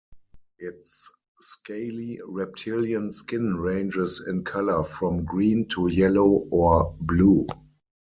Its scaly reptilian skin ranges in color from green to yellow or blue.